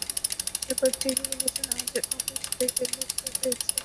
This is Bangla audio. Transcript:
শেখর ঠিকই বলেছে আমাদের অফিস থেকে লিক হয়েছে মানে?